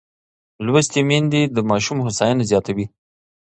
لوستې میندې د ماشوم هوساینه زیاتوي.